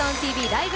ライブ！」